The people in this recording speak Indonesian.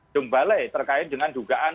dong balai terkait dengan dugaan